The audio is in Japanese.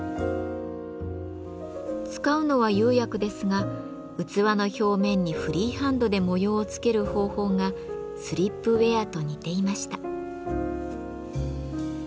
使うのは釉薬ですが器の表面にフリーハンドで模様をつける方法がスリップウェアと似ていました。